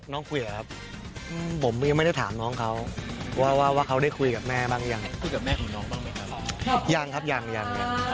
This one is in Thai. น้องคุยไหมครับผมยังไม่ได้ถามน้องเค้าว่าเค้าได้คุยกับแม่บ้างกันอย่างงั้น